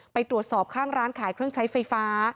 ไปตรวจสอบข้างร้านขายเครื่องใช้ไฟฟ้า